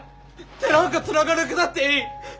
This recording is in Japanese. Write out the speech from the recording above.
手なんかつながなくたっていい。